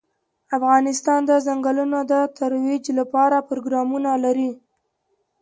افغانستان د ځنګلونه د ترویج لپاره پروګرامونه لري.